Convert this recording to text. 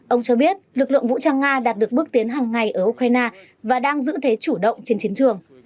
ông cho biết lực lượng vũ trang nga đạt được bước tiến hàng ngày ở ukraine và đang giữ thế chủ động trên chiến trường